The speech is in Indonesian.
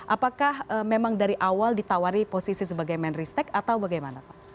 apakah memang dari awal ditawari posisi sebagai menristek atau bagaimana pak